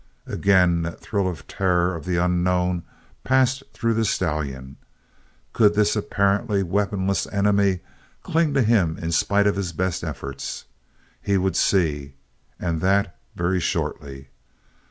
Again that thrill of terror of the unknown passed through the stallion; could this apparently weaponless enemy cling to him in spite of his best efforts? He would see, and that very shortly.